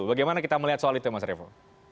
bagaimana kita melihat soal itu mas revo